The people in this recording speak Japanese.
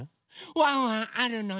ワンワンあるのよね。